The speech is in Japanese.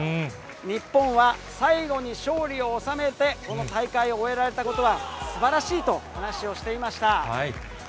日本は最後に勝利を収めて、この大会を終えられたことは、すばらしいと話をしていました。